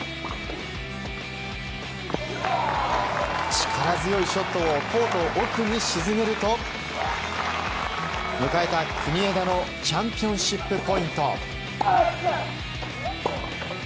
力強いショットをコート奥に沈めると迎えた国枝のチャンピオンシップポイント。